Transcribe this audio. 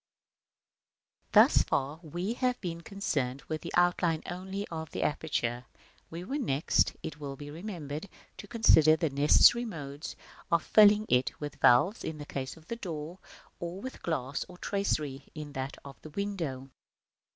§ I. Thus far we have been concerned with the outline only of the aperture: we were next, it will be remembered, to consider the necessary modes of filling it with valves in the case of the door, or with glass or tracery in that of the window.